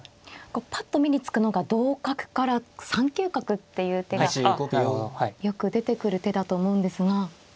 ぱっと目につくのが同角から３九角っていう手がよく出てくる手だと思うんですが。